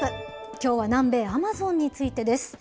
きょうは南米アマゾンについてです。